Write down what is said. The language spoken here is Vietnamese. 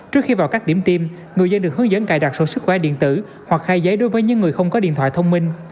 trước khi vào các điểm tiêm người dân được hướng dẫn cài đặt sổ sức khỏe điện tử hoặc khai giấy đối với những người không có điện thoại thông minh